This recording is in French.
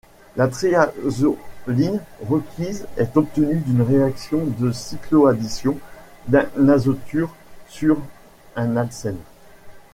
La triazoline requise est obtenue d'une réaction de cycloaddition d'un azoture sur un alcène.